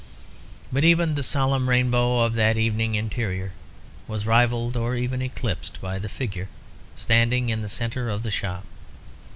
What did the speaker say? But even the solemn rainbow of that evening interior was rivalled or even eclipsed by the figure standing in the centre of the shop.